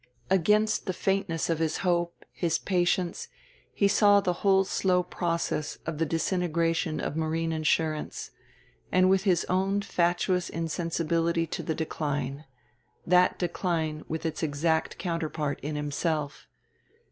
Against the faintness of his hope, his patience, he saw the whole slow process of the disintegration of marine insurance, and with it his own fatuous insensibility to the decline: that decline with its exact counterpart in himself.